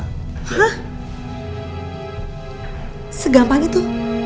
hah segampang itu